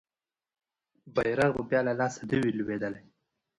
بیرغ به بیا له لاسه نه وي لویدلی.